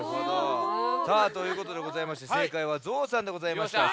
さあということでございましてせいかいは「ぞうさん」でございました。